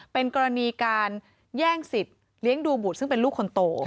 เป็นกรณีการแย่งสิทธิ์เลี้ยงดูบุตรซึ่งเป็นลูกคนโต